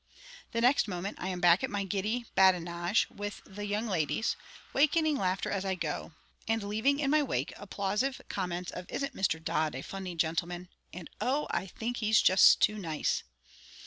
The next moment I am back at my giddy badinage with the young ladies, wakening laughter as I go, and leaving in my wake applausive comments of "Isn't Mr. Dodd a funny gentleman?" and "O, I think he's just too nice!"